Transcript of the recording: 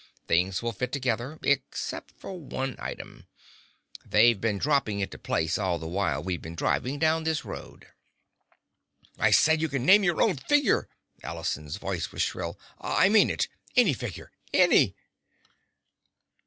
Things all fit together,—except for one item. They've been dropping into place all the while we've been driving down this road." "I said you can name your own figure!" Allison's voice was shrill. "I mean it! Any figure! Any!"